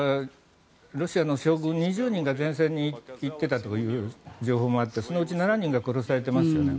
ロシアの将軍２０人が前線に行っていたという情報もあってそのうち７人も殺されていますよね。